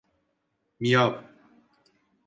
Miyav!